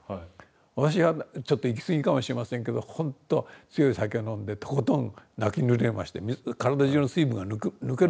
私はちょっと行き過ぎかもしれませんけどほんと強い酒を飲んでとことん泣きぬれまして体中の水分が抜けるぐらい泣きました。